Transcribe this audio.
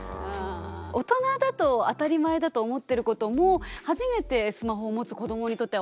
大人だと当たり前だと思ってることも初めてスマホを持つ子どもにとっては分からないから。